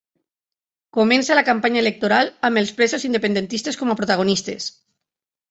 Comença la campanya electoral amb els presos independentistes com a protagonistes.